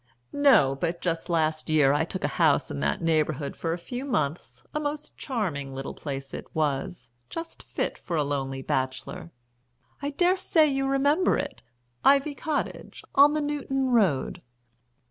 "No, but last year I took a house in that neighbourhood for a few months; a most charming little place it was, just fit for a lonely bachelor. I dare say you remember it Ivy Cottage, on the Newton Road."